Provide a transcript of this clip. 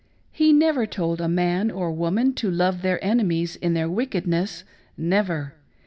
He never told a man or woman to love their enemies in their wickedness, never.